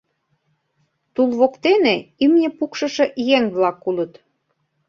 Тул воктене имне пукшышо еҥ-влак улыт.